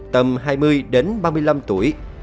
tầm hai mươi đến ba mươi năm tuổi